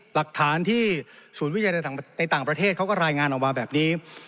หลักฐานที่ศูนย์วิทยาในต่างประเทศเขาก็รายงานออกมาแบบนี้